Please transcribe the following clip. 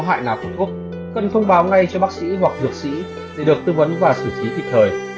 hại nào cũng cúc cần thông báo ngay cho bác sĩ hoặc dược sĩ để được tư vấn và xử trí kịp thời